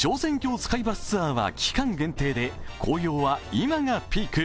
スカイバスツアーは期間限定で紅葉は今がピーク。